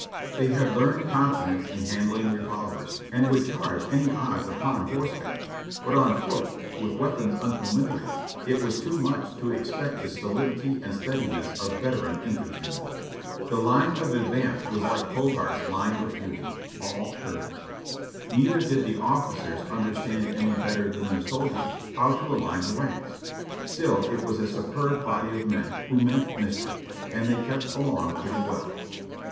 They had learned confidence in 538 JOHNNY REB AND BILLY YANK handling revolvers, and would charge any odds upon horseback, but on foot, with weapons unfamiliar, it was too much to expect the stolidity and steadiness of veteran infantrymen. The line of advance was like Hogarth's line of beauty: all curves. Neither did the officers understand any better than their soldiers how to align the ranks; still it was a superb body of men, who meant mischief, and they kept along pretty well.